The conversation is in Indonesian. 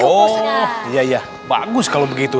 oh iya ya bagus kalau begitu